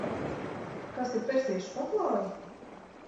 Kas ir persiešu paklāji?